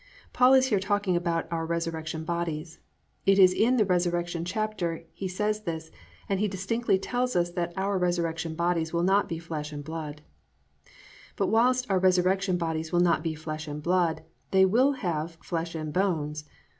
"+ Paul is here talking about our resurrection bodies. It is in the resurrection chapter he says this, and he distinctly tells us that our resurrection bodies will not be "flesh and blood." 4. But while our resurrection bodies will not be "flesh and blood," they _will have "flesh and bones."